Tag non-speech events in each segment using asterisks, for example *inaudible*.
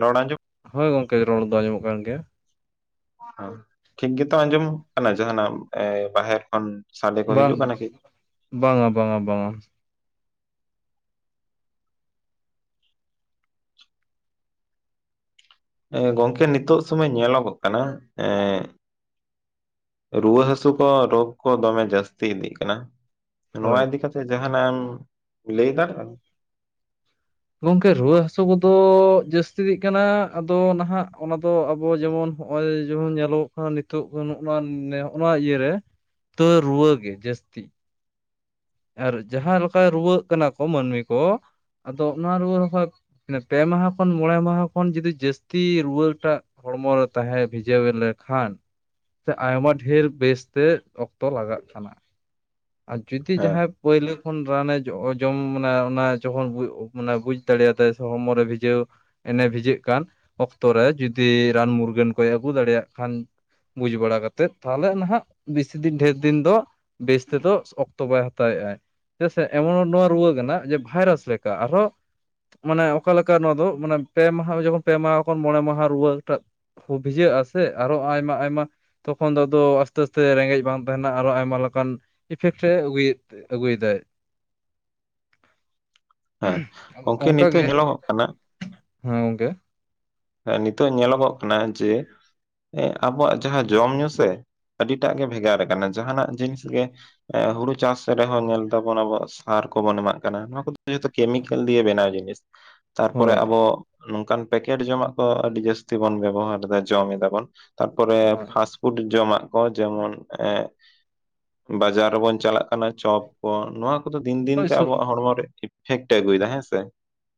ᱨᱚᱲ ᱟᱡᱚᱢ ᱦᱳᱭ ᱜᱚᱝᱠᱮ ᱨᱚᱲ ᱫᱚ ᱟᱡᱚᱢᱚᱜ ᱠᱟᱱ ᱜᱮᱭᱟ᱾ ᱦᱚ ᱴᱷᱤᱠ ᱜᱮᱛᱚ ᱟᱸᱡᱚᱢ ᱠᱟᱱᱟ ᱡᱟᱦᱟᱸᱱᱟᱜ ᱮ ᱵᱟᱦᱮᱨ ᱠᱷᱚᱱ? ᱥᱟᱰᱮ ᱠᱚ ᱦᱤᱡᱩᱜ ᱵᱟᱝ ᱠᱟᱱᱟ ᱠᱤ? ᱵᱟᱝᱟ ᱵᱟᱝᱟ ᱵᱟᱝᱟ ᱮ ᱜᱚᱝᱠᱮ ᱱᱤᱛᱚᱜ ᱥᱚᱢᱚᱭ ᱧᱮᱞᱚᱜᱚᱜ ᱠᱟᱱᱟ ᱮ ᱨᱩᱣᱟᱹ ᱦᱟᱹᱥᱩ ᱠᱚ ᱨᱳᱜᱽ ᱠᱚ ᱫᱚᱢᱮ ᱡᱟᱹᱥᱛᱤ ᱤᱫᱤᱜ ᱠᱟᱱᱟ? ᱱᱚᱣᱟ ᱦᱳᱭ ᱤᱫᱤ ᱠᱟᱛᱮᱜ ᱡᱟᱦᱟᱸᱱᱟᱜ ᱮᱢ ᱞᱟᱹᱭ ᱫᱟᱲᱮᱭᱟᱜ-᱾ᱟ ᱜᱚᱝᱠᱮ ᱨᱩᱣᱟᱹ ᱦᱟᱹᱥᱩ ᱠᱚᱫᱚ ᱡᱟᱹᱥᱛᱤᱜ ᱠᱟᱱᱟ ᱟᱫᱚ ᱱᱟᱦᱟᱜ ᱚᱱᱟ ᱫᱚ ᱟᱵᱚ ᱡᱮᱢᱚᱱ ᱦᱚᱜ-ᱚᱭ ᱡᱮᱢᱚᱱ ᱧᱮᱞᱚᱜᱚᱜ ᱠᱟᱱᱟ ᱱᱤᱛᱚᱜ ᱱᱚᱜ ᱱᱚᱜ-ᱟ ᱱᱚᱣᱟ ᱤᱭᱟᱹᱨᱮ᱾ ᱛᱚ ᱨᱩᱣᱟᱹ ᱜᱮ ᱡᱟᱹᱥᱛᱤ᱾ ᱟᱨ ᱡᱟᱦᱟ ᱞᱮᱠᱟ ᱨᱩᱣᱟᱹᱜ ᱠᱟᱱᱟ ᱠᱚ ᱢᱟᱹᱱᱢᱤ ᱠᱚ ᱟᱫᱚ ᱚᱱᱟ ᱨᱩᱣᱟᱹ ᱦᱚᱸᱠᱚ ᱯᱮ ᱢᱟᱦᱟ ᱠᱷᱚᱱ ᱢᱚᱬᱮ ᱢᱟᱦᱟ ᱠᱷᱚᱱ ᱡᱩᱫᱤ ᱡᱟᱹᱥᱛᱤ ᱨᱩᱣᱟᱹᱴᱟᱜ ᱦᱚᱲᱢᱚ ᱨᱮ ᱛᱟᱦᱮᱸ ᱵᱷᱤᱡᱟᱹᱣ ᱞᱮᱠᱷᱟᱱ ᱥᱮ ᱟᱭᱢᱟ ᱰᱷᱮᱨ ᱵᱮᱥᱛᱮ ᱚᱠᱛᱚ ᱞᱟᱜᱟᱜ ᱠᱟᱱᱟ ᱟᱨ ᱡᱩᱫᱤ ᱦᱮᱸ ᱡᱟᱦᱟᱸᱭ ᱯᱳᱭᱞᱳ ᱠᱷᱚᱱ ᱨᱟᱱᱮ ᱡᱚᱢ ᱢᱟᱱᱮ ᱚᱱᱟ ᱚᱱᱟ ᱡᱚᱠᱷᱚᱱ ᱢᱟᱱᱮ ᱵᱩᱡ ᱫᱟᱲᱮᱭᱟᱫᱟᱭ ᱥᱮ ᱦᱚᱲᱢᱚ ᱨᱮ ᱵᱷᱤᱡᱟᱹᱣ ᱮᱱᱮ ᱵᱷᱤᱡᱟᱹᱜ ᱠᱟᱱ ᱚᱠᱛᱚ ᱨᱮ ᱡᱩᱫᱤ ᱨᱟᱱ ᱢᱩᱨᱜᱟᱹᱱ ᱠᱚᱭ ᱟᱹᱜᱩ ᱫᱟᱲᱮᱭᱟᱜ ᱠᱷᱟᱱ ᱵᱩᱡ ᱵᱟᱲᱟ ᱠᱟᱛᱮᱫ ᱛᱟᱦᱚᱞᱮ ᱱᱟᱦᱟᱜ ᱵᱮᱥᱤ ᱫᱤᱱ ᱰᱷᱮᱨ ᱫᱤᱱ ᱫᱚ ᱵᱮᱥ ᱛᱮᱫᱚ ᱚᱠᱛᱚ ᱵᱟᱭ ᱦᱟᱛᱟᱣᱮᱜ-ᱟ᱾ ᱪᱮᱫᱟᱜ ᱥᱮ ᱮᱢᱚᱱ ᱱᱚᱣᱟ ᱨᱩᱣᱟᱹ ᱠᱟᱱᱟ ᱡᱮ ᱵᱷᱟᱭᱨᱟᱥ ᱞᱮᱠᱟ ᱟᱨᱦᱚᱸ ᱢᱟᱱᱮ ᱚᱠᱟᱞᱮᱠᱟ ᱱᱚᱣᱟ ᱫᱚ ᱢᱟᱱᱮ ᱯᱮ ᱢᱟᱦᱟ ᱡᱚᱠᱷᱚᱱ ᱯᱮ ᱢᱟᱦᱟ ᱢᱚᱬᱮ ᱢᱟᱦᱟ ᱨᱩᱣᱟᱹ ᱴᱟᱜ ᱵᱷᱤᱡᱟᱹᱜ ᱟᱥᱮ ᱟᱨᱚ ᱟᱭᱢᱟ ᱟᱭᱢᱟ ᱛᱚᱠᱷᱚᱱ ᱫᱚ ᱟᱫᱚ ᱟᱥᱛᱮ ᱟᱥᱛᱮ ᱨᱮᱸᱜᱮᱡ ᱵᱟᱝ ᱛᱟᱦᱮᱱᱟ ᱟᱨᱚ ᱟᱭᱢᱟ ᱞᱮᱠᱟᱱ ᱤᱯᱷᱮᱠᱴ ᱟᱜᱩᱭ ᱟᱹᱜᱩᱭᱮᱫᱟᱭ ᱦᱮᱸ ᱟᱫᱚ ᱜᱚᱝᱠᱮ ᱚᱱᱠᱟ ᱱᱤᱛᱚᱜ ᱜᱮ ᱧᱮᱞᱚᱜᱚᱜ ᱠᱟᱱᱟ ᱦᱮᱸ ᱜᱚᱝᱠᱮ ᱱᱤᱛᱚᱜ ᱧᱮᱞᱚᱜᱚᱜ ᱠᱟᱱᱟ ᱡᱮ ᱟᱵᱚᱣᱟᱜ ᱡᱟᱦᱟᱸ ᱡᱚᱢ ᱧᱩ ᱥᱮ ᱟᱹᱰᱤᱴᱟᱜ ᱜᱮ ᱵᱷᱮᱜᱟᱨ ᱟᱠᱟᱱᱟ ᱡᱟᱦᱟᱸᱱᱟᱜ ᱡᱤᱱᱤᱥ ᱜᱮ ᱮ ᱦᱩᱲᱩ ᱪᱟᱥ ᱨᱮᱦᱚᱸ ᱧᱮᱞ ᱫᱟᱵᱚᱱ ᱟᱵᱚᱣᱟᱜ ᱥᱟᱨ ᱠᱚᱵᱚᱱ ᱮᱢᱟᱜ ᱠᱟᱱᱟ ᱱᱚᱣᱟ ᱠᱚᱫᱚ᱾ ᱠᱮᱢᱤᱠᱮᱞ ᱫᱤᱭᱮ ᱵᱮᱱᱟᱣ ᱡᱤᱱᱤᱥ ᱛᱟᱨᱯᱚᱨᱮ ᱦᱳᱭ ᱟᱵᱚ ᱱᱚᱝᱠᱟᱱ ᱯᱮᱠᱮᱴ ᱡᱚᱢᱟᱜ ᱟᱹᱰᱤ ᱡᱟᱹᱥᱛᱤ ᱵᱚᱱ ᱵᱮᱵᱚᱦᱟᱨ ᱮᱫᱟ ᱡᱚᱢ ᱮᱫᱟ ᱵᱚᱱ ᱛᱟᱨᱯᱚᱨᱮ ᱦᱳᱭ ᱯᱟᱥ ᱯᱷᱩᱰ ᱡᱚᱢᱟᱜ ᱠᱚ ᱡᱮᱢᱚᱱ ᱮ ᱵᱟᱡᱟᱨ ᱨᱮᱵᱚᱱ ᱪᱟᱞᱟᱜ ᱠᱟᱱᱟ ᱪᱚᱯ ᱠᱚ ᱱᱚᱣᱟ ᱠᱚ ᱟᱫᱚ ᱫᱤᱱ ᱫᱤᱱ ᱦᱳᱭ ᱛᱮ ᱟᱵᱚᱣᱟᱜ ᱦᱚᱲᱢᱚ ᱨᱮ ᱤᱯᱷᱮᱠᱴ ᱮ ᱟᱹᱜᱩᱭᱮᱫᱟ ᱦᱮᱸᱥᱮ᱾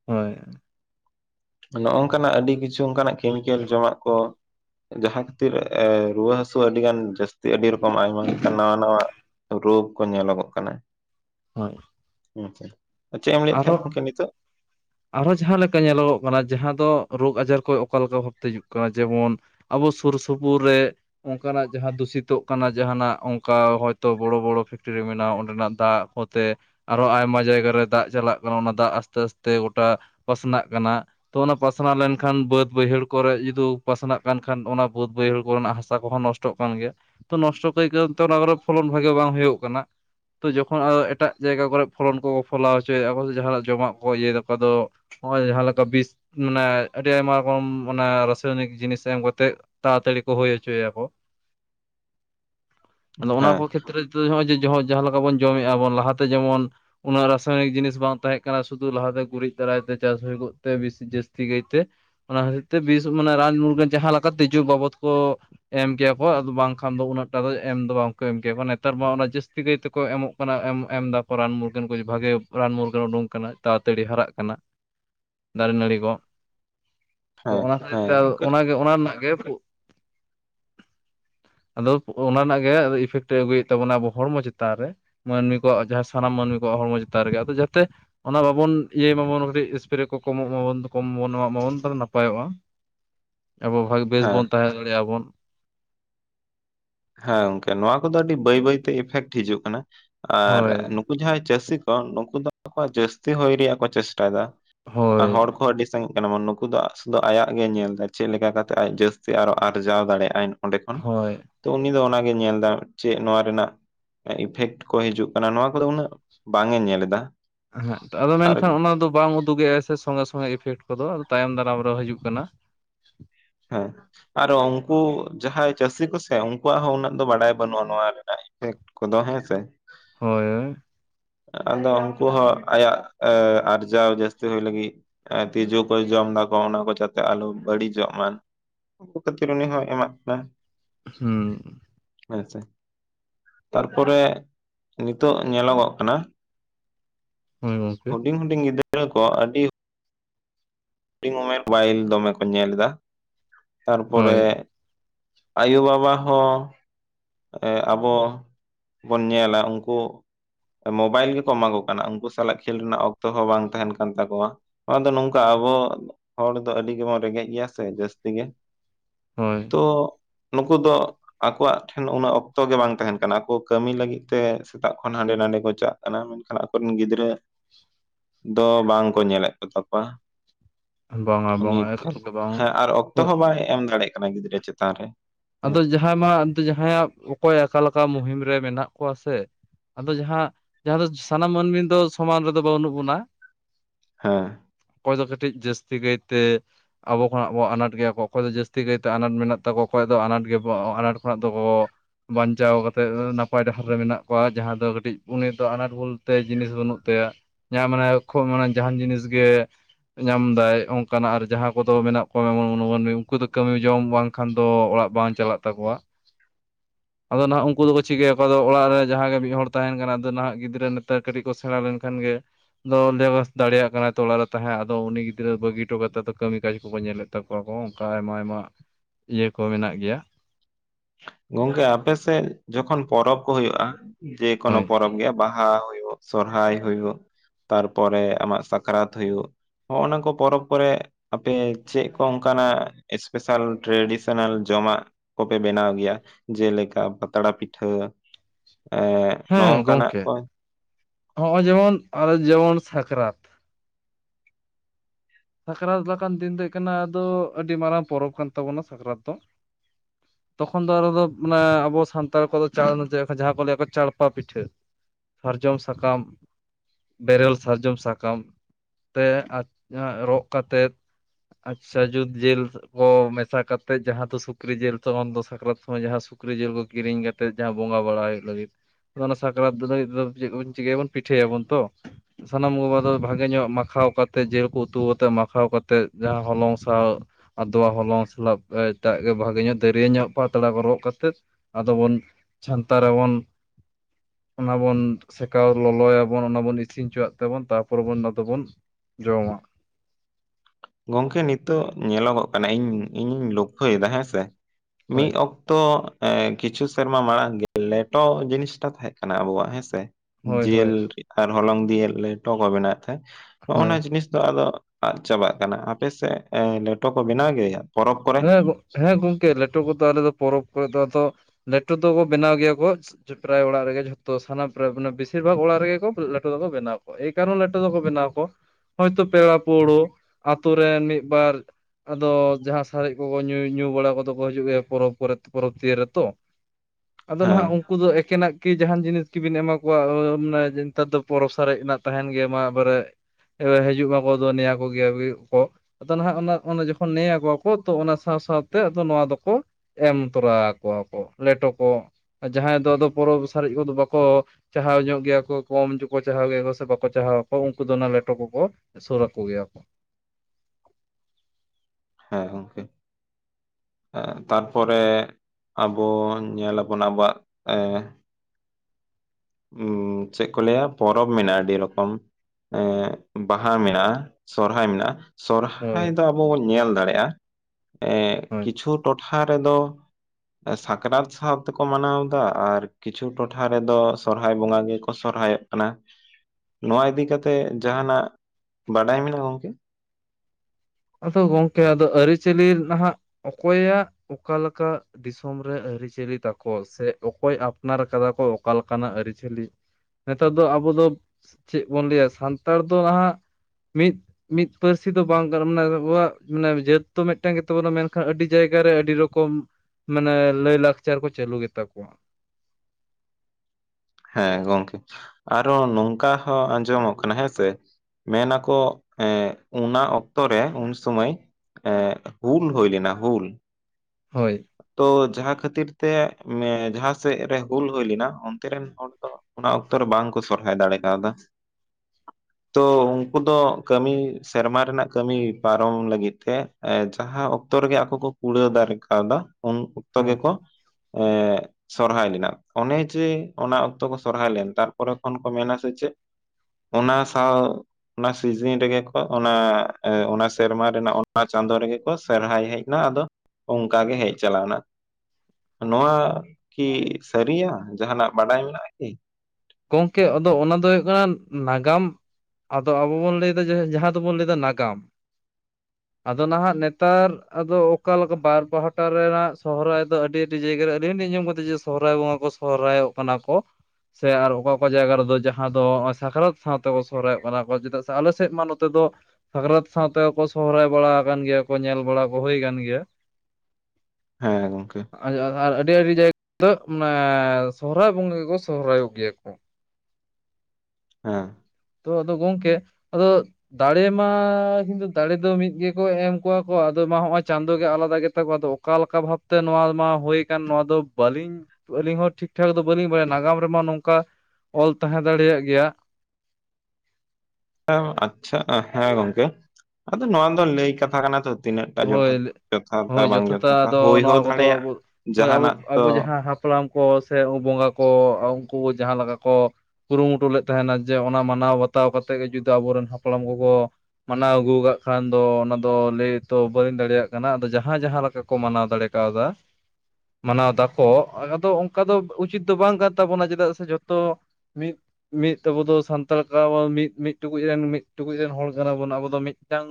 ᱦᱳᱭ ᱱᱚᱜ-ᱚᱝᱠᱟᱱᱟᱜ ᱟᱹᱰᱤ ᱠᱤᱪᱷᱩ ᱚᱱᱠᱟᱱᱟᱜ ᱠᱮᱢᱤᱠᱮᱞ ᱡᱚᱢᱟᱜ ᱠᱚ᱾ ᱡᱟᱦᱟᱸ ᱠᱷᱟᱹᱛᱤᱨ ᱮᱻ ᱨᱩᱣᱟᱹᱦᱟᱹᱥᱩ ᱟᱹᱰᱤ ᱜᱟᱱ ᱡᱟᱹᱥᱛᱤ ᱟᱹᱰᱤ ᱨᱚᱠᱚᱢ ᱟᱭᱢᱟ ᱞᱮᱠᱟᱱ ᱱᱟᱶᱟ ᱼ ᱱᱟᱶᱟ ᱨᱳᱜ ᱠᱚ ᱧᱮᱞᱚᱜᱚᱼᱜ ᱠᱟᱱᱟ᱾ ᱦᱳᱭ ᱟᱪᱪ ᱟᱪ ᱪᱮᱫ ᱮᱢ ᱞᱟᱹᱭᱮᱫ ᱛᱟᱦᱮᱸ ᱜᱚᱝᱠᱮ ᱱᱤᱛᱚᱜ? ᱟᱨᱚ ᱡᱟᱦᱟᱸ ᱞᱮᱠᱟ ᱧᱮᱞᱚᱜᱚᱼᱜ ᱠᱟᱱᱟ ᱡᱟᱦᱟᱸ ᱫᱚ ᱨᱳᱜ ᱟᱡᱟᱨ ᱠᱚ ᱚᱠᱟ ᱞᱮᱠᱟ ᱵᱷᱟᱵᱛᱮ ᱦᱤᱡᱩᱜ ᱠᱟᱱᱟ ᱡᱮᱢᱚᱱ ᱟᱵᱚ ᱥᱩᱨ, ᱥᱩᱯᱩᱨ, ᱨᱮ ᱚᱱᱠᱟᱱᱟᱼᱜ ᱡᱟᱦᱟᱸ ᱫᱩᱥᱤᱛᱚᱜ ᱠᱟᱱᱟ ᱡᱟᱦᱟᱱᱟᱼᱜ ᱚᱝᱠᱟ ᱦᱚᱭᱛᱳ ᱵᱚᱲᱚᱼ ᱵᱚᱲᱚ ᱯᱷᱮᱠᱴᱨᱤ ᱢᱮᱱᱟᱜ-ᱟ ᱚᱸᱰᱮᱱᱟᱜ ᱫᱟᱜ ᱦᱚᱛᱮ, ᱟᱨᱦᱚ ᱟᱭᱢᱟ ᱡᱟᱭᱜᱟ ᱨᱮ ᱫᱟᱜ ᱪᱟᱞᱟᱜ ᱠᱟᱱᱟ ᱚᱱᱟ ᱫᱟᱜ ᱟᱥᱛᱮ ᱟᱥᱛᱮ ᱜᱚᱴᱟ ᱯᱟᱥᱱᱟᱼᱜ ᱠᱟᱱᱟ ᱛᱚ ᱚᱱᱟ ᱯᱟᱥᱱᱟᱣ ᱞᱮᱱᱠᱷᱟᱱ ᱵᱟᱹᱫᱽ ᱵᱟᱹᱭᱦᱟᱹᱲ ᱠᱚᱨᱮ ᱡᱩᱫᱤ ᱯᱟᱥᱱᱟᱜ ᱠᱟᱱ ᱠᱷᱟᱱ ᱚᱱᱟ ᱵᱟᱹᱫ ᱵᱟᱹᱭᱦᱟᱹᱲ ᱠᱚᱨᱮᱱᱟᱼᱜ ᱦᱟᱥᱟ ᱠᱚᱦᱚᱸ ᱱᱚᱥᱴᱚ ᱱᱚᱥᱴᱚᱼᱜ ᱠᱟᱱ ᱜᱮᱭᱟ ᱛᱚ ᱱᱚᱥᱴᱚ ᱠᱟᱹᱛᱮ ᱚᱱᱟ ᱠᱚᱨᱮ ᱯᱷᱚᱞᱚᱱ ᱵᱷᱟᱜᱤ ᱵᱟᱝ ᱦᱩᱭᱩᱜ ᱠᱟᱱᱟ ᱛᱚ ᱡᱚᱠᱷᱚᱱ ᱟᱨ ᱮᱴᱟᱜ ᱡᱟᱭᱜᱟ ᱠᱚᱨᱮ ᱯᱷᱚᱞᱚᱱ ᱠᱚᱼᱠᱚ ᱯᱷᱚᱞᱟᱣ ᱦᱚᱪᱚᱭᱮᱫᱟ ᱠᱚ ᱥᱮ ᱡᱟᱦᱟᱱᱟᱼᱜ ᱡᱚᱢᱟᱜ ᱠᱚ ᱤᱭᱟᱹᱭ ᱫᱟᱠᱚ ᱟᱫᱚ ᱱᱚᱜᱚᱭ ᱡᱟᱦᱟᱸᱞᱮᱠᱟ ᱵᱤᱥ ᱢᱟᱱᱮ ᱟᱹᱰᱤ ᱟᱭᱢᱟ ᱨᱚᱠᱚᱢ ᱢᱟᱱᱮ ᱨᱟᱥᱟᱭᱚᱱᱤᱠ ᱡᱤᱱᱤᱥ ᱮᱢ ᱠᱟᱛᱮ ᱛᱟᱲᱟᱛᱟᱹᱲᱤ ᱠᱚ ᱦᱩᱭ ᱦᱚᱪᱚᱭᱟᱠᱚ *inaudible* ᱟᱫᱚ ᱚᱱᱟ ᱠᱚ ᱦᱮᱸ ᱠᱷᱮᱛᱨᱮ ᱱᱚᱜ-ᱚᱭ ᱡᱮ ᱡᱟᱦᱟᱸ ᱞᱮᱠᱟ ᱵᱚᱱ ᱡᱚᱢᱮᱫ-ᱟ ᱵᱚᱱ ᱞᱟᱦᱟᱛᱮ ᱡᱮᱢᱚᱱ ᱩᱱᱟᱹᱜ ᱨᱟᱥᱟᱭᱱᱤᱠ ᱡᱤᱱᱤᱥ ᱵᱟᱝ ᱛᱟᱦᱮᱸ ᱠᱟᱱᱟ ᱥᱩᱫᱷᱩ ᱞᱟᱦᱟ ᱛᱮ ᱜᱩᱨᱤᱡ ᱫᱟᱨᱟᱭ ᱛᱮ ᱪᱟᱥ ᱦᱩᱭᱩᱜᱚᱼᱜ ᱛᱮ ᱵᱮᱥᱤ ᱡᱟᱹᱥᱛᱤ ᱠᱟᱭᱛᱮ ᱚᱱᱟ ᱠᱷᱟᱛᱤᱨ ᱛᱮ ᱵᱤᱥ ᱢᱟᱱᱮ ᱨᱟᱱ ᱢᱩᱨᱜᱟᱹᱱ ᱡᱟᱦᱟᱸ ᱞᱮᱠᱟ ᱛᱮᱤᱡᱩ ᱵᱟᱵᱚᱫ ᱠᱚ ᱮᱢ ᱠᱮᱭᱟᱠᱚ ᱟᱫᱚ ᱵᱟᱝᱠᱷᱟᱱ ᱫᱚ ᱩᱱᱟᱹᱜ ᱴᱟᱠᱟ ᱫᱚ ᱮᱢ ᱫᱚ ᱵᱟᱝᱠᱚ ᱮᱢ ᱠᱮᱭᱟᱠᱚ ᱱᱮᱛᱟᱨ ᱢᱟ ᱚᱱᱟ ᱡᱟᱹᱥᱛᱤ ᱠᱟᱭ ᱛᱮᱠᱚ ᱮᱢᱚᱜ ᱠᱟᱱᱟ ᱚᱱᱟ ᱮᱢᱼᱮᱢ ᱫᱟᱠᱚ ᱨᱟᱱ ᱢᱩᱨᱜᱟᱹᱱ ᱠᱚ ᱢᱮ ᱵᱷᱟᱜᱮ ᱨᱟᱱ ᱢᱩᱨᱜᱟᱹᱱ ᱩᱰᱩᱝ ᱠᱟᱱᱟ ᱛᱟᱲᱟᱛᱟᱹᱲᱤ ᱦᱟᱨᱟᱜ ᱠᱟᱱᱟ ᱫᱟᱨᱮ ᱱᱟᱹᱲᱤ ᱠᱚ ᱛᱚ ᱦᱮᱸ ᱚᱱᱟ ᱠᱷᱟᱹᱛᱤᱨ ᱦᱮᱸ ᱛᱮ ᱜᱚᱝᱠᱮ ᱚᱱᱟᱜᱮ ᱚᱱᱟ ᱨᱮᱱᱟᱜ ᱜᱮ *inaudible* ᱟᱫᱚ ᱚᱱᱟ ᱨᱮᱱᱟᱜ ᱜᱮ ᱤᱯᱷᱮᱠᱴ ᱟᱹᱜᱩᱭᱮᱫ ᱛᱟᱵᱚᱱᱼᱟ, ᱟᱵᱚ ᱦᱚᱲᱢᱚ ᱪᱮᱛᱟᱱ ᱨᱮ ᱢᱟᱹᱱᱢᱤ ᱠᱚᱣᱟᱜ ᱡᱟᱦᱟᱸ ᱥᱟᱱᱟᱢ ᱢᱟᱹᱱᱢᱤ ᱠᱚᱣᱟᱜ ᱦᱚᱲᱢᱚ ᱪᱮᱛᱟᱱ ᱨᱮᱜᱮ ᱟᱫᱚ ᱡᱟᱛᱮ ᱚᱱᱟ ᱵᱟᱵᱚᱱ ᱤᱭᱟᱹᱭ ᱢᱟᱵᱚᱱ ᱠᱟᱹᱴᱤᱡ ᱤᱥᱮᱯᱮᱨᱮ ᱠᱚᱢᱚᱜ ᱢᱟᱵᱚᱱ ᱠᱚᱢᱧ ᱮᱢᱟᱜ ᱢᱟᱵᱚᱱ ᱱᱟᱯᱟᱭᱚᱜ-ᱟ ᱟᱵᱚ ᱵᱷᱟᱜᱮ ᱵᱮᱥ ᱦᱮᱸ ᱵᱚᱱ ᱛᱟᱦᱮᱸ ᱫᱟᱲᱮᱭᱟᱜ-ᱟ ᱵᱚᱱ᱾ ᱦᱮᱸ᱾ ᱜᱚᱝᱠᱮ ᱱᱚᱣᱟ ᱠᱚᱫᱚ ᱟᱹᱰᱤ ᱵᱟᱹᱭ, ᱵᱟᱹᱭᱛᱮ ᱤᱯᱷᱮᱠᱴ ᱦᱤᱡᱩᱜ ᱠᱟᱱᱟ ᱟᱨ ᱦᱳᱭ ᱩᱱᱠᱩ ᱡᱟᱦᱟᱸᱭ ᱪᱟᱹᱥᱤ ᱠᱚ ᱱᱩᱠᱩ ᱫᱚ ᱟᱠᱣᱟᱜ ᱡᱟᱹᱥᱛᱤ ᱦᱳᱭ ᱨᱮᱭᱟᱜ ᱠᱚ ᱪᱮᱥᱴᱟᱭ ᱫᱟ, ᱟᱨ ᱦᱳᱭ ᱦᱚᱲ ᱠᱚ ᱟᱹᱰᱤ ᱥᱟᱜᱮ ᱠᱟᱱᱟᱵᱚᱱ ᱱᱩᱠᱩ ᱫᱚ ᱥᱩᱫᱩ ᱟᱭᱟᱜ ᱧᱮᱞ ᱮᱫᱟ ᱪᱮᱫ ᱞᱮᱠᱟ ᱠᱟᱛᱮ ᱟᱡ ᱡᱟᱹᱥᱛᱤ ᱟᱨᱚ ᱟᱨᱡᱟᱣ ᱫᱟᱲᱮᱭᱟᱜ- ᱟᱭ ᱚᱸᱰᱮ ᱠᱷᱚᱱ ᱦᱳᱭ ᱛᱚ ᱩᱱᱤ ᱫᱚ ᱚᱱᱟᱜᱮᱭ ᱧᱮᱞ ᱮᱫᱟ ᱪᱮᱫ ᱱᱚᱣᱟ ᱨᱮᱱᱟᱜ ᱤᱯᱷᱮᱠᱴ ᱠᱚ ᱦᱤᱡᱩᱜ ᱠᱟᱱᱟ, ᱱᱚᱣᱟ ᱠᱚ-ᱫᱚ ᱩᱱᱟᱹᱜ ᱵᱟᱝ ᱮ ᱧᱮᱞ ᱮᱫᱟ ᱦᱮᱸ ᱟᱫᱚ ᱟᱨ ᱢᱮᱱᱠᱷᱟᱱ ᱚᱱᱟ ᱫᱚ ᱵᱟᱝᱢ ᱩᱫᱩᱜᱮᱫ-ᱟ ᱥᱮ ᱥᱚᱸᱜᱮ ᱼ ᱥᱚᱸᱜᱮ ᱤᱯᱷᱮᱠᱴ ᱠᱚ-ᱫᱚ ᱛᱟᱭᱚᱢ ᱫᱟᱨᱟᱢ ᱨᱮᱦᱚᱸ ᱦᱤᱡᱩᱜ ᱠᱟᱱᱟ᱾ ᱦᱮᱸ᱾ ᱟᱨᱚ ᱩᱱᱠᱩ ᱡᱟᱦᱟᱸᱭ ᱪᱟᱹᱥᱤ ᱠᱚᱥᱮ ᱩᱱᱠᱩᱣᱟᱜ ᱦᱚᱸ ᱩᱱᱟᱹᱜ ᱫᱚ ᱵᱟᱲᱟᱭ ᱵᱟᱹᱱᱩᱜ-ᱟ, ᱱᱚᱣᱟ ᱨᱮᱱᱟᱜ ᱤᱯᱷᱮᱠᱴ ᱠᱚᱫᱚ ᱦᱮᱸ ᱥᱮ ᱦᱳᱭᱻ ᱟᱫᱚ ᱩᱱᱠᱩ ᱦᱚᱸ ᱟᱭᱟᱜ ᱮᱸᱻ ᱟᱨᱡᱟᱣ ᱡᱟᱹᱥᱛᱤ ᱦᱳᱤ ᱞᱟᱹᱜᱤᱫ ᱮ ᱛᱤᱡᱩ ᱠᱚ ᱡᱚᱢ ᱫᱟᱠᱚ ᱚᱱᱟ ᱠᱚ ᱡᱟᱛᱮ ᱟᱞᱚ ᱵᱟᱹᱲᱤᱡᱚᱼᱜ ᱢᱟ᱾ ᱩᱱᱠᱩ ᱠᱷᱟᱹᱛᱤᱨ ᱩᱱᱤ ᱦᱚᱸᱭ ᱮᱢᱟᱜ ᱠᱟᱱᱟ ᱾ ᱦᱩᱸ ᱟᱪᱪᱷᱟ *unintelligible* ᱛᱟᱨᱯᱚᱨᱮ ᱱᱤᱛᱚᱜ ᱧᱮᱞᱚᱜᱚᱼᱜ ᱠᱟᱱᱟ ᱦᱳᱭ ᱜᱚᱝᱠᱮ ᱦᱩᱰᱤᱧ ᱦᱩᱰᱤᱧ ᱜᱤᱫᱽᱨᱟᱹ ᱠᱚ ᱟᱹᱰᱤ ᱦᱩᱰᱤᱧ ᱩᱢᱮᱨ ᱢᱳᱵᱟᱭᱤᱞ ᱫᱚᱢᱮ ᱠᱚ ᱧᱮᱞ ᱮᱫᱟ ᱛᱟᱨᱯᱚᱨᱮ ᱦᱳᱭ ᱟᱭᱳᱼᱵᱟᱵᱟ ᱦᱚᱸ ᱮᱸᱻ ᱟᱵᱚ ᱵᱚᱱ ᱧᱮᱞᱟ ᱩᱱᱠᱩ ᱢᱳᱵᱟᱭᱤᱞ ᱜᱮᱠᱚ ᱮᱢᱟ ᱠᱚ ᱠᱟᱱᱟ, ᱩᱱᱠᱩ ᱥᱟᱞᱟᱜ ᱠᱷᱮᱞ ᱨᱮᱱᱟᱜ ᱚᱠᱛᱚ ᱦᱚᱸ ᱵᱟᱝ ᱛᱟᱦᱮᱱ ᱠᱟᱱ ᱛᱟᱠᱚᱣᱟ ᱱᱚᱣᱟᱫᱚ ᱱᱚᱝᱠᱟ ᱟᱵᱚ ᱦᱚᱲ ᱫᱚ ᱟᱹᱰᱤ ᱜᱮ ᱵᱚᱱ ᱨᱮᱸᱜᱮᱡ ᱜᱮᱭᱟ ᱥᱮ ᱡᱟᱹᱥᱛᱤ ᱜᱮ ᱦᱳᱭ ᱾ ᱠᱚ ᱱᱩᱠᱩ ᱫᱚ ᱟᱠᱚᱣᱟᱼᱜ ᱴᱷᱮᱱ ᱩᱱᱟᱹᱜ ᱚᱠᱛᱚ ᱜᱮ ᱵᱟᱝ ᱛᱟᱦᱮᱱ ᱠᱟᱱᱟ, ᱟᱠᱚ ᱠᱟᱹᱢᱤ ᱞᱟᱹᱜᱤᱫ ᱛᱮ ᱥᱮᱛᱟᱜ ᱠᱷᱚᱱ ᱦᱟᱸᱰᱮ ᱱᱟᱰᱮ ᱠᱚ ᱪᱟᱜ ᱠᱟᱱᱟ ᱢᱮᱱᱠᱷᱟᱱ ᱟᱠᱚ ᱨᱮᱱ ᱜᱤᱫᱽᱨᱟᱹ ᱟᱜ ᱫᱚ ᱵᱟᱝ ᱠᱚ ᱧᱮᱞᱮᱫ ᱠᱚ ᱛᱟᱠᱚᱣᱟ ᱵᱟᱝᱟ ᱩᱱᱤ ᱵᱟᱝᱟ ᱮᱠᱟᱞ ᱜᱮ ᱵᱟᱝ ᱦᱮᱸ ᱟᱨ ᱚᱠᱛᱚ ᱦᱳᱭ ᱦᱚᱸ ᱵᱟᱭ ᱮᱢ ᱫᱟᱲᱮᱭᱟᱜ ᱠᱟᱱᱟ ᱜᱤᱫᱽᱨᱟᱹ ᱪᱮᱛᱟᱱ ᱨᱮ ᱦᱮᱸ ᱟᱫᱚ ᱡᱟᱦᱟᱸᱭ ᱢᱟ ᱡᱟᱦᱟᱸᱭᱟᱜ ᱚᱠᱚᱭ ᱚᱠᱟ ᱞᱮᱠᱟ ᱢᱩᱦᱤᱢ ᱨᱮ ᱢᱮᱱᱟᱜ ᱠᱚᱣᱟ ᱥᱮ ᱟᱫᱚ ᱡᱟᱦᱟᱸ ᱡᱟᱦᱟᱸ ᱫᱚ ᱥᱟᱱᱟᱢ ᱢᱟᱹᱱᱢᱤ ᱫᱚ ᱥᱚᱢᱟᱱ ᱨᱮᱫᱚ ᱵᱟᱹᱱᱩᱜ ᱵᱚᱱᱟ ᱦᱮᱸ ᱚᱠᱚᱭ ᱫᱚ ᱠᱟᱹᱴᱤᱡ ᱡᱟᱹᱥᱛᱤ ᱠᱟᱭᱛᱮ ᱟᱵᱚ ᱠᱷᱚᱱᱟᱜ ᱵᱚ ᱟᱱᱟᱴ ᱜᱮᱭᱟ ᱠᱚ ᱚᱠᱚᱭ ᱫᱚ ᱡᱟᱹᱥᱛᱤ ᱠᱟᱭᱛᱮ ᱟᱱᱟᱴ ᱢᱮᱱᱟᱜ ᱛᱟᱠᱚᱣᱟ ᱚᱠᱚᱭ ᱫᱚ ᱟᱱᱟᱴ ᱜᱮ ᱵᱟ ᱟᱱᱟᱴ ᱠᱷᱚᱱᱟᱜ ᱫᱚ ᱠᱚ ᱵᱟᱧᱪᱟᱣ ᱠᱟᱛᱮᱜ ᱱᱟᱯᱟᱭ ᱰᱟᱦᱟᱨ ᱨᱮ ᱢᱮᱱᱟᱜ ᱠᱚᱣᱟ ᱡᱟᱦᱟᱸ ᱫᱚ ᱠᱟᱹᱴᱤᱡ ᱩᱱᱤ ᱫᱚ ᱟᱱᱟᱴ ᱵᱚᱞᱛᱮ ᱡᱤᱱᱤᱥ ᱜᱮ ᱵᱟᱹᱱᱩᱜ ᱛᱟᱭᱟ ᱡᱟᱦᱟᱸ ᱢᱟᱱᱮ ᱠᱷᱩᱵ ᱢᱟᱱᱮ ᱡᱟᱦᱟᱱ ᱡᱤᱱᱤᱥ ᱜᱮ ᱧᱟᱢ ᱮᱫᱟᱭ ᱚᱱᱠᱟᱱᱟᱜ ᱟᱨ ᱡᱟᱦᱟᱸ ᱠᱚᱫᱚ ᱢᱮᱱᱟᱜ ᱠᱚᱣᱟ *unintelligible* ᱩᱱᱠᱩ ᱫᱚ ᱠᱟᱹᱢᱤ ᱡᱚᱢ ᱵᱟᱝᱠᱷᱟᱱ ᱛᱚ ᱚᱲᱟᱜ ᱵᱟᱝ ᱪᱟᱞᱟᱜ ᱛᱟᱠᱚᱣᱟ ᱟᱫᱚ ᱱᱟᱦᱟᱜ ᱩᱱᱠᱩ ᱫᱚᱠᱚ ᱪᱤᱠᱟᱹᱭᱟ ᱠᱚ ᱟᱫᱚ ᱚᱲᱟᱜ ᱨᱮ ᱡᱟᱦᱟᱸᱭ ᱜᱮ ᱢᱤᱫ ᱦᱚᱲ ᱛᱟᱦᱮᱱ ᱠᱟᱱᱟ ᱟᱫᱚ ᱱᱟᱦᱟᱜ ᱜᱤᱫᱽᱨᱟᱹ ᱱᱮᱛᱟᱨ ᱠᱟᱹᱴᱤᱡ ᱠᱚ ᱥᱮᱬᱟ ᱞᱮᱱᱠᱷᱟᱱ ᱜᱮ ᱟᱫᱚ ᱞᱮᱭ ᱟᱠᱚ ᱫᱟᱲᱮᱭᱟᱜ ᱠᱟᱱᱟᱭ ᱛᱚ ᱚᱲᱟᱜ ᱨᱮ ᱛᱟᱦᱮᱸ ᱟᱫᱚ ᱩᱱᱤ ᱜᱤᱫᱽᱨᱟᱹ ᱵᱟᱹᱜᱤ ᱦᱚᱴᱚ ᱠᱟᱛᱮᱫ ᱟᱫᱚ ᱠᱟᱹᱢᱤ ᱠᱟᱡᱽ ᱠᱚᱠᱚ ᱧᱮᱞᱮᱫ ᱛᱟᱠᱚᱣᱟ ᱠᱚ ᱚᱱᱠᱟ ᱟᱭᱢᱟ ᱟᱭᱢᱟ ᱤᱭᱟᱹ ᱠᱚ ᱢᱮᱱᱟᱜ ᱜᱮᱭᱟ ᱜᱚᱝᱠᱮ ᱟᱯᱮ ᱥᱮᱫ ᱡᱚᱠᱷᱚᱱ ᱯᱚᱨᱚᱵᱽ ᱠᱚ ᱦᱩᱭᱩᱜᱼᱟ ᱡᱮᱠᱳᱱᱳ ᱦᱳᱭ ᱯᱚᱨᱚᱵᱽ ᱜᱮ ᱵᱟ ᱦᱟ ᱦᱩᱭᱩᱜ ᱥᱚᱨᱦᱟᱭ ᱦᱩᱭᱩᱜ ᱛᱟᱨᱯᱚᱨᱮ ᱟᱢᱟᱜ ᱥᱟᱠᱨᱟᱛ ᱦᱩᱭᱩᱜ ᱱᱚᱸᱜᱼᱚ ᱱᱟ ᱠᱚ ᱯᱚᱨᱚᱵᱽ ᱠᱚᱨᱮ ᱟᱯᱮ ᱪᱮᱫ ᱠᱚ ᱚᱱᱠᱟᱱᱟᱜ ᱥᱯᱮᱥᱟᱞ ᱴᱨᱮᱰᱤᱥᱚᱱᱟᱞ ᱡᱚᱢᱟᱜ ᱯᱮ ᱵᱮᱱᱟᱣ ᱜᱮᱭᱟ ᱡᱮᱞᱮᱠᱟ ᱯᱟᱛᱲᱟ ᱯᱤᱴᱷᱟᱹ ᱮ ᱦᱮᱸ ᱜᱚᱝᱠᱮ ᱦᱚᱜᱼᱚᱭ ᱡᱮᱢᱚᱱ ᱟᱨ ᱡᱮᱢᱚᱱ ᱥᱟᱠᱨᱟᱛ ᱥᱟᱠᱨᱟᱛ ᱞᱮᱠᱟᱱ ᱫᱤᱱ ᱫᱚ ᱦᱩᱭᱩᱜ ᱠᱟᱱᱟ ᱟᱫᱚ ᱟᱹᱰᱤ ᱢᱟᱨᱟᱝ ᱯᱚᱨᱚᱵᱽ ᱠᱟᱱ ᱛᱟᱵᱚᱱᱟ ᱥᱟᱠᱨᱟᱛ ᱫᱚ ᱛᱚᱠᱷᱚᱱ ᱫᱚ ᱟᱨᱚ ᱫᱚ ᱢᱟᱱᱮ ᱟᱵᱚ ᱥᱟᱱᱛᱟᱲ ᱠᱚᱫᱚ *unintelligible* ᱡᱟᱦᱟᱸ ᱠᱚ ᱞᱟᱹᱭ ᱟᱠᱚ ᱪᱟᱲᱯᱟ ᱯᱤᱴᱷᱟᱹ ᱥᱟᱨᱡᱚᱢ ᱥᱟᱠᱟᱢ ᱵᱮᱨᱮᱞ ᱥᱟᱨᱡᱚᱢ ᱥᱟᱠᱟᱢ ᱛᱮ ᱡᱟᱦᱟᱸ ᱨᱚᱜ ᱠᱟᱛᱮᱫ ᱟᱪᱪᱷᱟ ᱡᱩᱛ ᱡᱮᱹᱞ ᱠᱚ ᱢᱮᱥᱟ ᱠᱟᱛᱮᱫ ᱡᱟᱦᱟᱸ ᱫᱚ ᱥᱩᱠᱨᱤ ᱡᱮᱹᱞ ᱛᱚᱠᱷᱚᱱ ᱫᱚ ᱥᱟᱠᱨᱟᱛ ᱥᱚᱢᱚᱭ ᱡᱟᱦᱟ ᱥᱩᱠᱨᱤ ᱡᱮᱹᱞ ᱠᱚ ᱠᱤᱨᱤᱧ ᱠᱟᱛᱮᱫ ᱡᱟᱦᱟ ᱵᱚᱸᱜᱟ ᱵᱟᱲᱟᱭ ᱦᱩᱭᱩᱜ ᱞᱟᱹᱜᱤᱫ ᱟᱫᱚ ᱚᱱᱟ ᱥᱟᱠᱨᱟᱛ ᱫᱚᱥᱟᱨ ᱦᱟᱹᱨᱤᱡ ᱫᱚ ᱪᱮᱫ ᱵᱚᱱ ᱪᱤᱠᱟᱹᱭᱟᱵᱚᱱ ᱯᱤᱴᱷᱟᱹᱭᱟᱵᱚᱱ ᱛᱚ ᱥᱟᱱᱟᱢ *unintelligible* ᱫᱚ ᱵᱷᱟᱜᱮ ᱧᱚᱜ ᱢᱟᱠᱷᱟᱣ ᱠᱟᱛᱮ *unintelligible* ᱠᱩ ᱩᱛᱩ ᱠᱟᱛᱮᱫ ᱢᱟᱠᱷᱟᱣ ᱠᱟᱛᱮᱫ ᱡᱟᱦᱟ ᱦᱚᱞᱚᱝ ᱥᱟᱶ ᱟᱫᱚᱣᱟ ᱦᱚᱞᱚᱝ ᱥᱟᱞᱟᱜ ᱮᱴᱟᱜ ᱜᱮ ᱵᱷᱟᱜᱮ ᱧᱚᱜ ᱫᱟᱹᱨᱭᱟᱹ ᱧᱚᱜ ᱯᱟᱛᱲᱟ ᱠᱚ ᱨᱚᱜ ᱠᱟᱛᱮᱫ ᱟᱫᱚ ᱵᱚᱱ ᱪᱷᱟᱱᱛᱟ ᱨᱮᱵᱚᱱ ᱚᱱᱟ ᱵᱚᱱ ᱥᱮᱠᱟᱣ ᱞᱚᱞᱚᱭᱟᱵᱚᱱ ᱚᱱᱟ ᱵᱚᱱ ᱤᱥᱤᱱ ᱦᱚᱪᱚᱣᱟᱜ ᱛᱮᱵᱚᱱ ᱛᱟᱨᱯᱚᱨᱮ ᱵᱚᱱ ᱟᱫᱚ ᱵᱚᱱ ᱡᱚᱢᱟ ᱜᱚᱝᱠᱮ ᱱᱤᱛᱚᱜ ᱧᱮᱞᱚᱜᱚᱜ ᱠᱟᱱᱟ ᱤᱧ ᱤᱧᱤᱧ ᱞᱳᱠᱠᱷᱳᱭ ᱮᱫᱟ ᱦᱮᱸ ᱥᱮ ᱦᱳᱭ ᱢᱤᱫ ᱚᱠᱛᱚ ᱮᱸᱻ ᱠᱤᱪᱷᱩ ᱥᱮᱨᱢᱟ ᱢᱟᱲᱟᱝ ᱜᱮ ᱞᱮᱴᱚ ᱡᱤᱱᱤᱥᱴᱟᱜ ᱛᱟᱦᱮᱸ ᱠᱟᱱᱟ ᱟᱵᱚᱣᱟᱜ ᱦᱮᱸ ᱥᱮ ᱦᱳᱭ ᱦᱳᱭ ᱡᱮᱞ ᱟᱨ ᱦᱚᱞᱚᱝ ᱫᱤᱭᱮ ᱞᱮᱴᱚ ᱠᱚ ᱵᱮᱱᱟᱣᱮᱫ ᱛᱟᱦᱮᱸ ᱱᱚᱜ-ᱚ ᱦᱳᱭ ᱱᱟ ᱡᱤᱱᱤᱥ ᱱᱚᱣᱟ ᱫᱚ ᱟᱫ ᱪᱟᱵᱟᱜ ᱠᱟᱱᱟ ᱟᱯᱮ ᱥᱮᱫ ᱞᱮᱴᱚ ᱠᱚ ᱵᱮᱱᱟᱣ ᱜᱮᱭᱟ ᱯᱚᱨᱚᱵᱽ ᱠᱚᱨᱮ ᱦᱮᱸ ᱦᱮᱸ ᱜᱚᱝᱠᱮ ᱞᱮᱴᱚ ᱠᱚᱫᱚ ᱟᱞᱮ ᱫᱚ ᱯᱚᱨᱚᱵᱽ ᱠᱚᱨᱮ ᱫᱚ ᱟᱫᱚ ᱞᱮᱴᱚ ᱫᱚᱠᱚ ᱵᱮᱱᱟᱣ ᱜᱮᱭᱟ ᱠᱚ ᱯᱨᱟᱭ ᱚᱲᱟᱜ ᱨᱮᱜᱮ ᱡᱷᱚᱛᱚ ᱥᱟᱱᱟᱢ ᱢᱟᱱᱮ ᱵᱮᱥᱤᱨ ᱵᱷᱟᱜᱽ ᱚᱲᱟᱜ ᱨᱮᱜᱮ ᱠᱚ ᱞᱮᱴᱚ ᱫᱚᱠᱚ ᱵᱮᱱᱟᱣ ᱟᱠᱚ ᱮᱹᱭ ᱠᱟᱨᱚᱱ ᱞᱮᱴᱚ ᱫᱚᱠᱚ ᱵᱮᱱᱟᱣ ᱟᱠᱚ ᱦᱚᱭᱛᱚ ᱯᱮᱲᱟ ᱯᱟᱹᱲᱦᱟᱹ ᱟᱛᱳ ᱨᱮ ᱢᱤᱫ ᱵᱟᱨ ᱟᱫᱚ ᱡᱟᱦᱟ ᱥᱟᱨᱮᱡ ᱠᱚᱠᱚ ᱧᱩ ᱧᱩ ᱵᱟᱲᱟ ᱠᱚᱫᱚ ᱠᱚ ᱦᱤᱡᱩᱜ ᱜᱮᱭᱟ ᱯᱚᱨᱚᱵᱽ ᱠᱚᱨᱮ ᱯᱚᱨᱚᱵᱽ *unintelligible* ᱨᱮᱛᱚ ᱟᱫᱚ ᱦᱮᱸ ᱱᱟᱦᱟᱜ ᱩᱱᱠᱩ ᱫᱚ ᱮᱠᱮᱱᱟᱜ ᱠᱤ ᱡᱟᱦᱟᱱ ᱡᱤᱱᱤᱥ ᱠᱤᱵᱤᱱ ᱮᱢᱟ ᱠᱚᱣᱟ ᱢᱟᱱᱮ ᱱᱮᱛᱟᱨ ᱫᱚ ᱯᱚᱨᱚᱵᱽ ᱥᱟᱨᱮᱡ ᱨᱮᱱᱟᱜ ᱛᱟᱦᱮᱸᱱ ᱜᱮᱢᱟ ᱵᱟᱨᱮ ᱦᱤᱡᱩᱜ ᱢᱟᱠᱚ ᱱᱮ ᱟᱠᱚ ᱜᱮᱭᱟ ᱠᱚ ᱟᱫᱚ ᱱᱟᱦᱟᱜ ᱚᱱᱟ ᱡᱚᱠᱷᱚᱱ ᱱᱮᱭ ᱟᱠᱚ ᱟᱠᱚ ᱠᱚ ᱛᱚ ᱚᱱᱟ ᱥᱟᱶ ᱥᱟᱶᱛᱮ ᱟᱫᱚ ᱱᱚᱣᱟ ᱫᱚᱠᱚ ᱮᱢ ᱛᱚᱨᱟ ᱟᱠᱚᱣᱟ ᱠᱚ ᱞᱮᱴᱚ ᱠᱚ ᱡᱟᱦᱟᱸᱭ ᱫᱚ ᱟᱫᱚ ᱯᱚᱨᱚᱵᱽ ᱥᱟᱨᱮᱡ ᱠᱚᱫᱚ ᱵᱟᱠᱚ ᱪᱟᱦᱟᱣ ᱧᱚᱜ ᱜᱮᱭᱟ ᱠᱚ ᱠᱚᱢ ᱪᱚ ᱠᱚ ᱪᱟᱦᱟᱣ ᱜᱮᱭᱟ ᱠᱚᱥᱮ ᱵᱟᱠᱚ ᱪᱟᱦᱟᱣ ᱟᱠᱚ ᱩᱱᱠᱩ ᱫᱚ ᱚᱱᱟ ᱞᱮᱴᱚ ᱠᱚᱠᱚ ᱥᱳᱨ ᱨᱟᱠᱚ ᱜᱮᱭᱟ ᱠᱚ᱾ ᱦᱮᱸ ᱜᱚᱝᱠᱮ᱾ ᱮᱸ ᱛᱟᱨᱯᱚᱨᱮ ᱟᱵᱚ ᱧᱮᱞᱟᱵᱚᱱ ᱟᱵᱚᱣᱟᱜ ᱮᱸ ᱩᱻ ᱪᱮᱜ ᱠᱚ ᱞᱟᱹᱭᱟ ᱯᱚᱨᱚᱵᱽ ᱢᱮᱱᱟᱜᱼᱟ ᱟᱹᱰᱤ ᱨᱚᱠᱚᱢ, ᱮᱻ ᱵᱟᱦᱟ ᱢᱮᱱᱟᱜᱼᱟ, ᱥᱚᱨᱦᱟᱭ ᱢᱮᱱᱟᱜᱼᱟ᱾ ᱥᱚᱨᱦᱟᱭ ᱦᱳᱭ ᱫᱚ ᱟᱵᱚ ᱵᱚᱱ ᱧᱮᱞ ᱫᱟᱲᱮᱜᱼᱟ ᱮᱻ ᱦᱳᱭ ᱠᱤᱪᱷᱩ ᱴᱚᱴᱷᱟ ᱨᱮᱫᱚ ᱥᱟᱠᱨᱟᱛ ᱥᱟᱶ ᱛᱮᱠᱚ ᱢᱟᱱᱟᱣ ᱫᱟ ᱟᱨ ᱠᱤᱪᱷᱩ ᱴᱚᱴᱷᱟ ᱨᱮᱫᱚ ᱥᱚᱨᱦᱟᱭ ᱵᱚᱸᱜᱟ ᱜᱮᱠᱚ ᱥᱚᱨᱦᱟᱭᱼᱚᱜ ᱠᱟᱱᱟ᱾ ᱱᱚᱣᱟ ᱤᱫᱤ ᱠᱟᱛᱮᱜ ᱡᱟᱦᱟᱸᱱᱟᱜ ᱵᱟᱰᱟᱭ ᱢᱮᱱᱟᱜᱼᱟ ᱜᱚᱝᱠᱮ? ᱟᱫᱚ ᱜᱚᱝᱠᱮ ᱟᱫᱚ ᱟᱹᱨᱤᱼᱪᱟᱹᱞᱤ ᱱᱟᱦᱟᱜ ᱚᱠᱚᱭᱟᱜ ᱚᱠᱟ ᱞᱮᱠᱟ ᱫᱤᱥᱚᱢ ᱨᱮ ᱟᱹᱨᱤᱼᱪᱟᱹᱞᱤ ᱛᱟᱠᱚ ᱥᱮ ᱚᱠᱚᱭ ᱟᱯᱱᱟᱨ ᱠᱟᱫᱟ ᱠᱚ ᱚᱠᱟ ᱞᱮᱠᱟᱱᱟᱜ ᱟᱹᱨᱤᱼᱪᱟᱹᱞᱤ᱾ ᱱᱮᱛᱟᱨ ᱫᱚ ᱟᱵᱚ ᱫᱚ ᱪᱮᱫ ᱵᱚᱱ ᱞᱟᱹᱭᱟ ᱥᱟᱱᱛᱟᱲ ᱫᱚ ᱦᱟᱜ ᱢᱤᱫ ᱢᱤᱫ ᱯᱟᱹᱨᱥᱤ ᱫᱚ ᱵᱟᱝ *inaudible* ᱢᱟᱱᱮ ᱡᱟᱹᱛ ᱛᱚ ᱢᱤᱫᱴᱮᱝ ᱜᱮᱛᱟᱵᱚᱱᱟ ᱢᱮᱱᱠᱷᱟᱱ ᱟᱹᱰᱤ ᱡᱟᱭᱜᱟᱮ ᱟᱹᱰᱤ ᱨᱚᱠᱚᱢ ᱢᱟᱱᱮ ᱞᱟᱹᱭ ᱞᱟᱠᱪᱟᱨ ᱠᱚ ᱪᱟᱹᱞᱩ ᱜᱮᱛᱟ ᱠᱚᱣᱟ᱾ ᱦᱮᱸ ᱜᱚᱝᱠᱮ, ᱟᱨᱚ ᱱᱚᱝᱠᱟ ᱦᱚᱸ ᱟᱸᱡᱚᱢᱚᱜ ᱠᱟᱱᱟ ᱦᱮᱸ ᱥᱮ ᱢᱮᱱ ᱟᱠᱚ ᱮ ᱚᱱᱟ ᱚᱠᱛᱚ ᱨᱮ ᱩᱱ ᱥᱚᱢᱟᱹᱭ ᱮ ᱦᱩᱞ ᱦᱳᱭ ᱞᱮᱱᱟ ᱦᱩᱞ᱾ ᱦᱳᱭ᱾ ᱛᱚ ᱡᱟᱦᱟᱸ ᱠᱷᱟᱹᱛᱤᱨ ᱛᱮ ᱡᱟᱦᱟᱸ ᱥᱮ ᱨᱮ ᱦᱩᱞ ᱦᱳᱭ ᱞᱮᱱᱟ ᱚᱱᱛᱮᱨᱮᱱ ᱦᱚᱲ ᱫᱚ ᱚᱱᱟ ᱚᱠᱛᱚ ᱨᱮ ᱵᱟᱝ ᱠᱚ ᱥᱚᱨᱦᱟᱭ ᱫᱟᱲᱮ ᱠᱟᱣᱫᱟ᱾ ᱛᱚ ᱩᱱᱠᱩ ᱫᱚ ᱠᱟᱹᱢᱤ ᱥᱮᱨᱢᱟ ᱨᱮᱱᱟᱜ ᱠᱟᱹᱢᱤ ᱯᱟᱨᱚᱢ ᱞᱟᱹᱜᱤᱫ ᱛᱮ ᱮᱸ ᱡᱟᱦᱟᱸ ᱚᱠᱛᱚ ᱨᱮᱜᱮ ᱟᱠᱚ ᱠᱚ ᱠᱩᱲᱟᱹᱣ ᱫᱟᱲᱮ ᱠᱟᱣᱫᱟ ᱩᱱ ᱚᱠᱛᱚ ᱦᱮᱸ ᱜᱮᱠᱚ ᱮᱻ ᱥᱚᱨᱦᱟᱭ ᱞᱮᱱᱟ, ᱚᱱᱮ ᱡᱮ ᱚᱱᱟ ᱚᱠᱛᱚ ᱠᱚ ᱥᱚᱨᱦᱟᱭ ᱞᱮᱱ ᱛᱟᱨᱯᱚᱨᱮ ᱠᱷᱚᱱ ᱠᱚ ᱢᱮᱱᱟ ᱥᱮ ᱪᱮᱫ ᱚᱱᱟ ᱥᱟᱶ ᱚᱱᱟ ᱥᱤᱡᱤᱱ ᱨᱮᱜᱮ ᱠᱚ ᱚᱱᱟ ᱚᱱᱟ ᱥᱮᱨᱢᱟ ᱨᱮᱱᱟᱜ ᱚᱱᱟ ᱪᱟᱸᱫᱳ ᱨᱮᱜᱮ ᱠᱚ ᱥᱚᱨᱦᱟᱭ ᱦᱮᱡ ᱱᱟ ᱟᱫᱚ ᱚᱝᱠᱟ ᱜᱮ ᱦᱮᱡ ᱪᱟᱞᱟᱣ ᱱᱟ᱾ ᱱᱚᱣᱟ ᱠᱤ ᱥᱟᱹᱨᱤᱭᱟ ᱡᱟᱦᱟᱸᱱᱟᱜ ᱵᱟᱰᱟᱭ ᱢᱮᱱᱟᱜᱼᱟ ᱠᱤ? ᱜᱳᱝᱠᱮ ᱟᱫᱚ ᱚᱱᱟ ᱫᱚ ᱦᱳᱭᱳᱜ ᱠᱟᱱᱟ ᱱᱟᱜᱟᱢ ᱟᱫᱚ ᱟᱵᱚ ᱵᱚᱱ ᱞᱟᱹᱭᱮᱫᱟ ᱡᱮ ᱡᱟᱦᱟᱸ ᱫᱚᱵᱚᱱ ᱞᱟᱹᱭᱫᱟ ᱱᱟᱜᱟᱢ *unintelligible* ᱟᱫᱚ ᱱᱟᱦᱟᱜ ᱱᱮᱛᱟᱨ ᱟᱫᱚ ᱚᱠᱟᱞᱮᱠᱟ ᱵᱟᱨ ᱯᱟᱦᱴᱟ ᱨᱮᱱᱟᱜ ᱥᱚᱦᱚᱨᱟᱭ ᱫᱚ ᱟᱹᱰᱤ ᱟ. ᱰᱤ ᱡᱟᱭᱜᱟ ᱨᱮ ᱟᱹᱰᱤᱜᱟᱱ ᱤᱧ ᱟᱡᱚᱢ ᱠᱟᱫᱟ ᱡᱮ ᱥᱚᱦᱚᱨᱟᱭ ᱵᱚᱸᱜᱟ ᱠᱚ ᱥᱚᱦᱨᱟᱭᱚᱜ ᱠᱟᱱᱟ ᱠᱚ, ᱥᱮ ᱟᱨ ᱚᱠᱟ ᱚᱠᱟ ᱡᱟᱭᱜᱟ ᱨᱮᱫᱚ ᱡᱟᱦᱟᱸ ᱫᱚ ᱱᱜᱼᱚᱭ ᱥᱟᱠᱨᱟᱛ ᱥᱟᱶ ᱛᱮᱠᱚ ᱥᱚᱦᱨᱟᱭᱚᱜ ᱠᱟᱱᱟ ᱠᱚ ᱪᱮᱫᱟᱜ ᱥᱮ ᱟᱞᱮ ᱥᱮᱫ ᱢᱟ ᱱᱚᱛᱮ ᱫᱚ ᱥᱟᱠᱨᱟᱛ ᱥᱟᱶ ᱛᱮᱦᱚ ᱠᱚ ᱥᱚᱦᱨᱟᱭ ᱵᱟᱲᱟ ᱠᱟᱱ ᱜᱮᱭᱟ ᱠᱚ ᱧᱮᱞ ᱵᱟᱲᱟ ᱠᱚ ᱦᱩᱭ ᱟᱠᱟᱱ ᱜᱮᱭᱟ᱾ ᱦᱮᱸ ᱜᱚᱝᱠᱮ᱾ ᱟᱪᱷᱟ ᱟᱨ ᱟᱹᱰᱤ ᱟᱹᱰᱤ ᱡᱟᱭᱜᱟ ᱫᱚ ᱮᱻ ᱥᱚᱦᱨᱟᱭ ᱵᱚᱸᱜᱟ ᱜᱮᱠᱚ ᱥᱚᱦᱨᱟᱭᱚᱜ ᱜᱮᱭᱟ ᱠᱚ᱾ ᱦᱮᱸ᱾ ᱛᱚ ᱟᱫᱚ ᱜᱚᱝᱠᱮ ᱟᱫᱚ ᱫᱟᱲᱮ ᱢᱟ ᱠᱤᱱᱛᱩ ᱫᱟᱲᱮ ᱫᱚ ᱢᱤᱫ ᱜᱮᱠᱚ ᱮᱢ ᱠᱚᱣᱟ ᱠᱚ ᱟᱫᱚ ᱢᱟ ᱦᱚᱜ ᱚᱭ ᱪᱟᱸᱫᱳ ᱜᱮ ᱟᱞᱟᱫᱟ ᱜᱮᱛᱟ ᱠᱚᱣᱟ ᱟᱫᱚ ᱚᱠᱟ ᱞᱮᱠᱟ ᱵᱷᱟᱵᱽ ᱛᱮ ᱱᱚᱣᱟ ᱢᱟ ᱦᱳᱭ ᱠᱟᱱ ᱱᱚᱣᱟ ᱫᱚ ᱵᱟᱹᱞᱤᱧ ᱟᱹᱞᱤᱧ ᱦᱚᱸ ᱴᱷᱤᱠ ᱴᱷᱟᱠ ᱫᱚ ᱵᱟᱹᱞᱤᱧ ᱵᱟᱲᱟᱭᱟ ᱱᱟᱜᱟᱢ ᱨᱮᱢᱟ ᱱᱚᱝᱠᱟ ᱚᱞ ᱛᱟᱦᱮᱸ ᱫᱟᱲᱮᱭᱟᱜ ᱜᱮᱭᱟ᱾ *unintelligible* ᱟᱪᱪᱷᱟ ᱦᱮᱸ ᱜᱚᱝᱠᱮ ᱟᱫᱚ ᱱᱚᱣᱟ ᱫᱚ ᱞᱟᱹᱭ ᱠᱟᱛᱷᱟ ᱠᱟᱱᱟ ᱛᱚ᱾ ᱛᱤᱱᱟᱹᱜ ᱴᱟ ᱡᱚᱛᱷᱟ ᱦᱳᱭ ᱡᱚᱛᱷᱟᱛᱟ ᱦᱳᱭ ᱵᱟᱝ ᱡᱚᱛᱷᱟᱛᱟ ᱟᱫᱚ ᱦᱳᱭ ᱦᱚᱸ ᱱᱚᱣᱟ ᱠᱚᱫᱚ ᱫᱟᱲᱮᱭᱟᱜ-ᱟ, ᱟᱵᱚ ᱦᱳᱭ ᱟᱵᱚ ᱡᱟᱦᱟᱱᱟᱜ ᱛᱚ ᱟᱵᱚ ᱡᱟᱦᱟᱸ ᱦᱟᱯᱲᱟᱢ ᱠᱚ ᱥᱮ ᱵᱚᱸᱜᱟ ᱠᱚ ᱩᱝᱠᱩ ᱡᱟᱦᱟᱸ ᱞᱮᱠᱟ ᱠᱚ ᱠᱩᱨᱩ ᱢᱩᱴᱩ ᱞᱮᱫ ᱛᱟᱦᱮᱱᱟ ᱡᱮ ᱚᱱᱟ ᱢᱟᱱᱟᱣ ᱵᱟᱛᱟᱣ ᱠᱟᱛᱮ ᱜᱮ ᱡᱩᱫᱤ ᱟᱵᱚᱨᱮᱱ ᱦᱟᱯᱲᱟᱢ ᱠᱚᱠᱚ ᱢᱟᱱᱟᱣ ᱟᱹᱜᱩ ᱠᱟᱜ ᱠᱷᱟᱱ ᱫᱚ ᱚᱱᱟ ᱫᱚ ᱞᱟᱹᱭ ᱛᱚ ᱵᱟᱹᱧ ᱫᱟᱲᱮᱭᱟᱜ ᱠᱟᱱᱟ ᱟᱫᱚ ᱡᱟᱦᱟᱸᱭ ᱡᱟᱦᱟᱸ ᱞᱮᱠᱟ ᱠᱚ ᱢᱟᱱᱟᱣ ᱫᱟᱲᱮ ᱠᱟᱣᱫᱟ ᱢᱟᱱᱟᱣ ᱫᱟᱠᱚ ᱟᱫᱚ ᱚᱝᱠᱟ ᱫᱚ ᱩᱪᱤᱛ ᱫᱚ ᱵᱟᱝ ᱠᱟᱱ ᱛᱟᱵᱚᱱᱟ ᱪᱮᱫᱟᱜ ᱥᱮ ᱡᱷᱚᱛᱚᱼ ᱢᱤᱫ ᱢᱤᱫ ᱟᱵᱚ ᱫᱚ ᱥᱟᱱᱛᱟᱲ ᱠᱟᱱᱟᱵᱚᱱ ᱢᱤᱫ ᱢᱤᱫ ᱴᱩᱠᱩᱡ ᱨᱮᱱ ᱢᱤᱫ ᱴᱩᱠᱩᱡ ᱨᱮᱱ ᱦᱚᱲ ᱠᱟᱱᱟ ᱵᱚᱱ ᱟᱵᱚ ᱫᱚ ᱢᱤᱜᱴᱟᱝᱼᱼ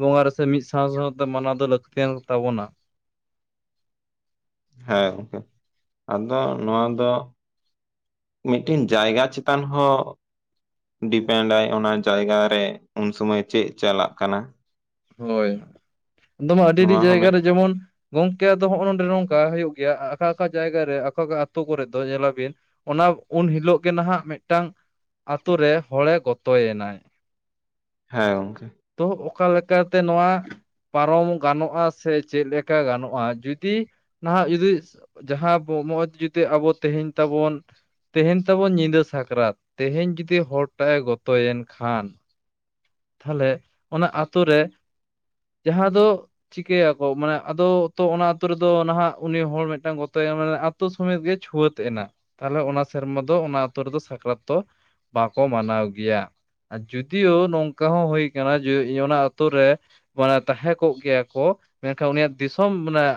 ᱵᱚᱸᱜᱟ ᱨᱮᱥᱮ ᱢᱤᱫ ᱥᱟᱶ ᱥᱟᱶᱛᱮ ᱢᱟᱱᱟᱣ ᱫᱚ ᱞᱟᱹᱠᱛᱤ ᱭᱟᱱ ᱛᱟᱵᱚᱱᱟ᱾ ᱦᱮᱸ ᱜᱚᱝᱠᱮ ᱟᱫᱚ ᱱᱚᱣᱟ ᱫᱚᱼᱼ ᱢᱤᱴᱤᱱ ᱡᱟᱭᱜᱟ ᱪᱮᱛᱟᱱ ᱦᱚᱸᱼᱼ ᱰᱤᱯᱮᱱᱸᱰ ᱟᱭ ᱚᱱᱟ ᱡᱟᱭᱜᱟ ᱨᱮ ᱩᱱ ᱥᱩᱢᱚᱭ ᱪᱮᱫ ᱪᱟᱞᱟᱜ ᱠᱟᱱᱟ᱾ ᱦᱳᱭ ᱟᱫᱚ ᱢᱟ ᱟᱹᱰᱤ ᱟᱹᱰᱤ ᱱᱚᱣᱟ ᱦᱚᱸ ᱡᱟᱭᱜᱟ ᱢᱤᱫ ᱨᱮ ᱡᱮᱢᱚᱱᱼᱼ ᱜᱚᱝᱠᱮ ᱟᱫᱚ ᱦᱚᱸᱜ ᱚ ᱱᱚᱰᱮ ᱱᱚᱝᱠᱟ ᱦᱩᱭᱩᱜ ᱜᱮᱭᱟ ᱟᱠᱟ ᱚᱠᱟ ᱡᱟᱭᱜᱟ ᱨᱮ ᱟᱠᱟ ᱠᱟ ᱟᱹᱛᱳ ᱠᱚᱨᱮ ᱫᱚ ᱧᱮᱞᱟᱵᱤᱱᱼ ᱚᱱᱟ ᱩᱱ ᱦᱤᱞᱳᱜ ᱜᱮ ᱱᱟᱦᱟᱜ ᱢᱮᱜᱴᱟᱝᱼᱼ ᱟᱛᱳ ᱨᱮ ᱦᱚᱲᱮ ᱜᱚᱛᱚᱭᱮᱱᱟᱭ, ᱦᱮᱸ ᱜᱚᱝᱠᱮ ᱛᱚ ᱚᱠᱟ ᱞᱮᱠᱟᱛᱮ ᱱᱚᱣᱟᱼ ᱯᱟᱨᱚᱢ ᱜᱟᱱᱚᱜ-ᱟ ᱥᱮ ᱪᱮᱫ ᱞᱮᱠᱟ ᱜᱟᱱᱚᱜ-ᱟ ᱡᱩᱫᱤ ᱱᱟᱦᱟᱜ ᱡᱩᱫᱤᱼ ᱡᱟᱦᱟᱸ *inaudible* ᱡᱩᱫᱤ ᱟᱵᱚ ᱛᱮᱦᱮᱧ ᱛᱟᱵᱚᱱᱼ ᱛᱮᱦᱮᱧ ᱛᱟᱵᱚᱱ ᱧᱤᱫᱟᱹ ᱥᱟᱠᱨᱟᱛ ᱛᱮᱦᱮᱧ ᱡᱩᱫᱤ ᱦᱚᱲᱴᱟᱜ ᱮ ᱜᱚᱛᱚᱭᱮᱱ ᱠᱷᱟᱱ, ᱛᱟᱦᱞᱮ ᱚᱱᱟ ᱟᱛᱳ ᱨᱮ ᱡᱟᱦᱟᱸ ᱫᱚᱼ ᱪᱤᱠᱟᱹᱭᱟᱠᱚ ᱢᱟᱱᱮ ᱟᱫᱚ ᱛᱚ ᱚᱱᱟ ᱟᱹᱛᱩᱳ ᱨᱮᱫᱚ ᱱᱟᱦᱟᱜ ᱩᱱᱤ ᱦᱚᱲ ᱢᱮᱜᱴᱟᱝ ᱜᱚᱛᱚᱭᱮᱱ ᱢᱟᱱᱮᱼ *inaudible* ᱥᱚᱢᱚᱭ ᱜᱮ ᱪᱷᱩᱣᱟᱹᱛ ᱮᱱᱟ ᱛᱟᱦᱞᱮ ᱚᱱᱟ ᱥᱮᱨᱢᱟ ᱫᱚ ᱚᱱᱟ ᱟᱹᱛᱳ ᱨᱮᱫᱚ ᱥᱟᱠᱨᱟᱛ ᱛᱚ ᱵᱟᱠᱚ ᱢᱟᱱᱟᱣ ᱜᱮᱭᱟ ᱟᱨ ᱡᱩᱫᱤᱭᱳ ᱱᱚᱝᱠᱟ ᱦᱚᱸ ᱦᱳᱭ ᱠᱟᱱᱟ ᱡᱮ ᱤᱧ ᱚᱱᱟᱼ ᱟᱛᱳ ᱨᱮ ᱢᱟᱱᱮ ᱛᱟᱦᱮᱸ ᱠᱚᱜ ᱜᱮᱭᱟ ᱠᱚ ᱢᱮᱱᱠᱷᱟᱱ ᱩᱱᱤᱭᱟᱜ ᱫᱤᱥᱚᱢ ᱢᱟᱱᱮᱼᱼ